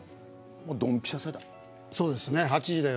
ドンピシャ世代。